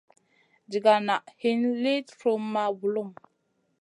Ɗiga nan hin liw truhma bulum.